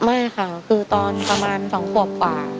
ไม่ค่ะคือตอนประมาณ๒ขวบกว่า